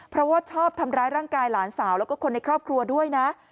เพราะว่าชอบทำร้ายร่างกายหลานสาวแล้วก็คนในครอบครัวด้วยนะ